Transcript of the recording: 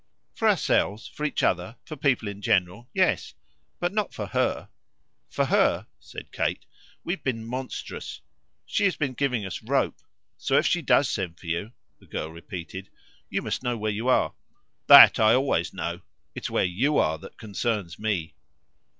"For ourselves, for each other, for people in general, yes. But not for HER. For her," said Kate, "we've been monstrous. She has been giving us rope. So if she does send for you," the girl repeated, "you must know where you are." "That I always know. It's where YOU are that concerns me."